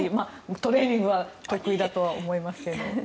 トレーニングは得意だとは思いますけれども。